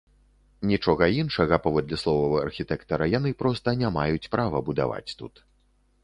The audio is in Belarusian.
Нічога іншага, паводле словаў архітэктара, яны проста не маюць права будаваць тут.